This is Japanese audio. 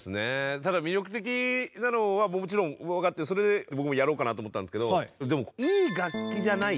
ただ魅力的なのはもちろん分かってそれで僕もやろうかなと思ったんですけど。